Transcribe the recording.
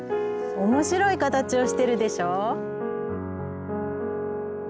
面白い形をしてるでしょ。